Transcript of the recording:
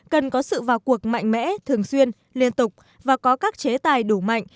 cần có sự vào cuộc mạnh mẽ thường xuyên liên tục và có các chế tài đủ mạnh